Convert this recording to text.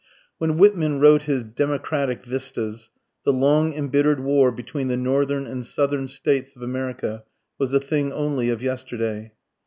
When Whitman wrote his "Democratic Vistas," the long embittered war between the Northern and Southern States of America was a thing only of yesterday.